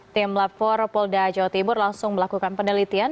tim lapfor polda jawa timur langsung melakukan penelitian